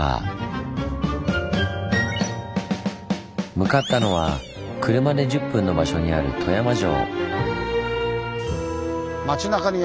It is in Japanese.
向かったのは車で１０分の場所にある富山城。